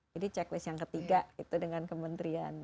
jadi checklist yang ketiga itu dengan kementerian